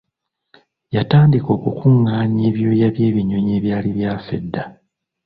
Yatandika okukungaanya ebyoya by'ebinyonyi ebyali byafa edda.